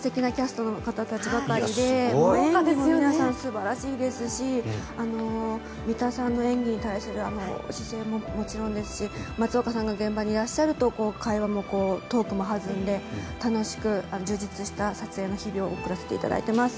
素敵なキャストの方々で皆さん、素晴らしいですし演技に対する姿勢ももちろんですし松岡さんが現場にいらっしゃると会話もトークも弾んで楽しく充実した撮影の日々を送らせていただいています。